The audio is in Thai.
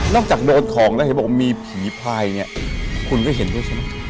จากโดนของแล้วเห็นบอกว่ามีผีพลายเนี่ยคุณก็เห็นด้วยใช่ไหม